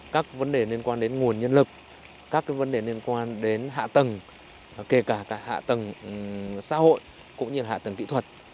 các vấn đề liên quan đến nguồn nhân lực các vấn đề liên quan đến hạ tầng kể cả hạ tầng xã hội cũng như hạ tầng kỹ thuật